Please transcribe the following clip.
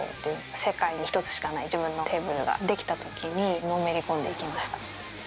世界に一つしかない自分のテーブルが出来た時にのめり込んで行きました。